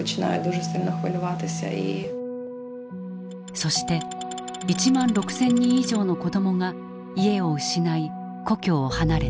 そして１万６，０００人以上の子どもが家を失い故郷を離れた。